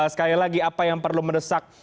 sekali lagi apa yang perlu mendesak